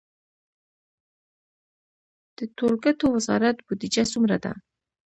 د ټولګټو وزارت بودیجه څومره ده؟